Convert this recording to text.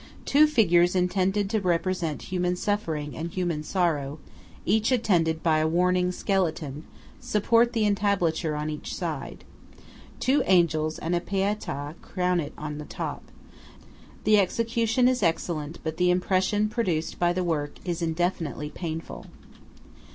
Two figures intended to represent Human Suffering and Human Sorrow, each attended by a warning skeleton, support the entablature on each side. Two angels and a Pièta crown it on the top. The execution is excellent, but the impression produced by the work is infinitely painful.